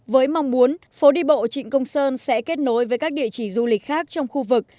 với mong muốn phố đi bộ trịnh công sơn sẽ kết nối với các địa chỉ du lịch khác trong khu vực